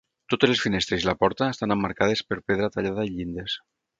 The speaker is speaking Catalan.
Totes les finestres i la porta estan emmarcades per pedra tallada i llindes.